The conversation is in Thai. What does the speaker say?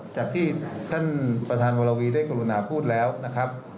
จากที่ท่านประธานวรวีได้กรุณาพูดแล้วนะครับ